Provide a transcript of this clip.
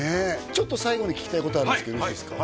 ちょっと最後に聞きたいことあるんですけどよろしいですか？